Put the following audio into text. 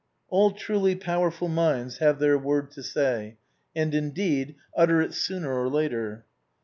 All truly powerful minds have their word to say, and, indeed, utter it sooner or later.